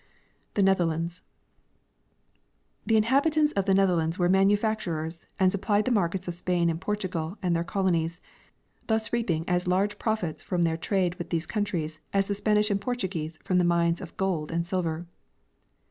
The Netherlands. The inhabitants of the Netherlands were manufacturers, and supplied the markets of Spain and Portugal and their colonies, thus reaping as large profits from their trade with these coun tries as the Spanish and Portuguese from the iiiines of gold and silver.